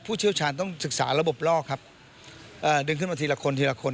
เชี่ยวชาญต้องศึกษาระบบลอกครับเอ่อดึงขึ้นมาทีละคนทีละคน